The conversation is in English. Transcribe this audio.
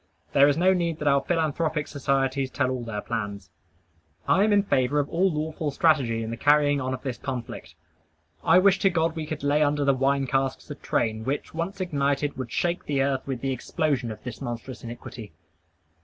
There is no need that our philanthropic societies tell all their plans. I am in favor of all lawful strategy in the carrying on of this conflict. I wish to God we could lay under the wine casks a train, which, once ignited, would shake the earth with the explosion of this monstrous iniquity.